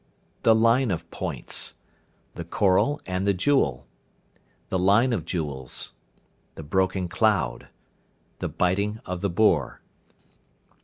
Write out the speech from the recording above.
The line of points. The coral and the jewel. The line of jewels. The broken cloud. The biting of the boar.